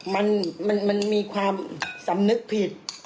มันมีความสำนึกผิด